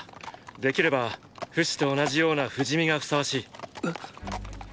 できればフシと同じような不死身が相応しい。っ！